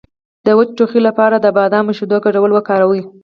د وچ ټوخي لپاره د بادام او شیدو ګډول وکاروئ